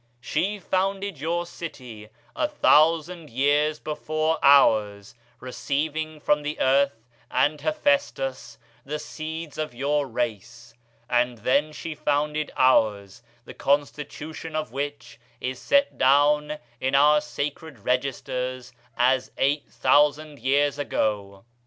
She founded your city a thousand years before ours, receiving from the Earth and Hephæstus the seed of your race, and then she founded ours, the constitution of which is set down in our sacred registers as 8000 years old.